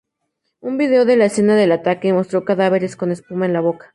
Un vídeo de la escena del ataque mostró cadáveres con espuma en la boca.